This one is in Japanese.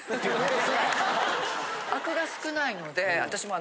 アクが少ないので私も。